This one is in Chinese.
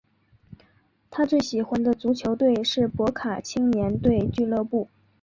他最喜欢的足球队是博卡青年队俱乐部。